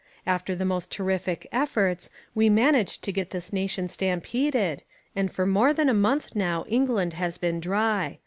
After the most terrific efforts we managed to get this nation stampeded, and for more than a month now England has been dry.